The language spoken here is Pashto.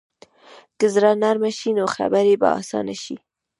که زړه نرمه شي، نو خبرې به اسانه شي.